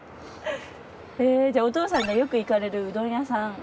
お父さんがよく行かれるうどん屋さん？